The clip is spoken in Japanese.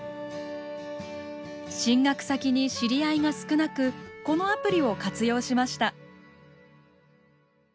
進学先に知り合いが少なくこのアプリを活用しました。